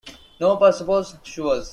No, but suppose she was.